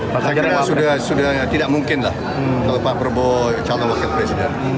saya kira sudah tidak mungkin lah kalau pak prabowo calon wakil presiden